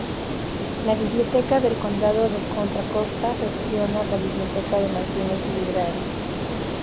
La Biblioteca del Condado de Contra Costa gestiona la biblioteca de Martinez Library.